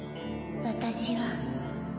私は。